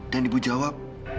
dan ibu jawab